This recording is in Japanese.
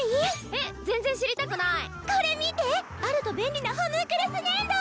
えっ全然知りたくないこれ見てあると便利なホムンクルス粘土！